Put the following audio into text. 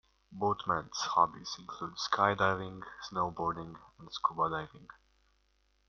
Boatman's hobbies include sky diving, snowboarding, and scuba diving.